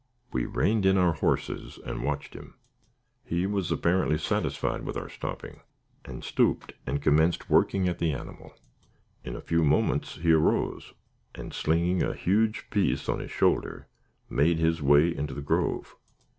We reined in our horses and watched him. He was apparently satisfied with our stopping, and stooped and commenced working at the animal. In a few moments he arose, and slinging a huge piece on his shoulder, made his way into the grove.